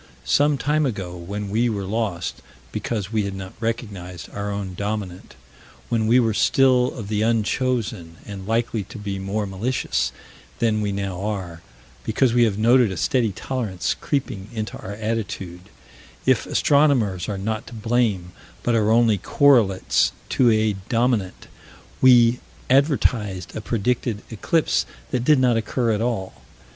Some time ago, when we were lost, because we had not recognized our own dominant, when we were still of the unchosen and likely to be more malicious than we now are because we have noted a steady tolerance creeping into our attitude if astronomers are not to blame, but are only correlates to a dominant we advertised a predicted eclipse that did not occur at all.